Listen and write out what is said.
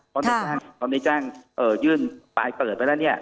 เพราะในจ้างยื่นปลายเปิดไปแล้วเนี่ย